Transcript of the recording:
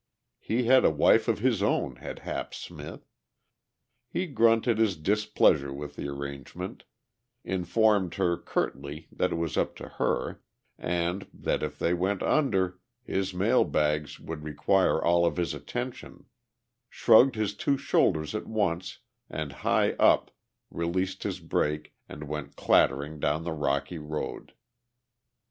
He had a wife of his own, had Hap Smith. He grunted his displeasure with the arrangement, informed her curtly that it was up to her and that, if they went under, his mail bags would require all of his attention, shrugged his two shoulders at once and high up, released his brake and went clattering down the rocky road.